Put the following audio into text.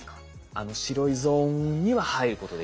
あの白いゾーンには入ることできない。